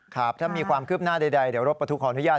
ครับถ้ามีความคืบหน้าใดเดี๋ยวรถบรรทุกขออนุญาต